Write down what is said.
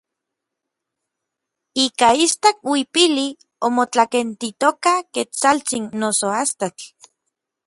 Ika istak uipili omotlakentitoka Ketsaltsin noso Astatl.